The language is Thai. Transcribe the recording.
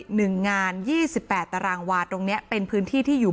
หนึ่งงานยี่สิบแปดตารางวาท์ตรงเนี้ยเป็นพื้นที่ที่อยู่